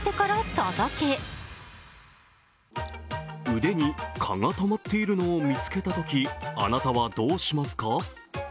腕に蚊が止まっているのを見つけたときあなたはどうしますか。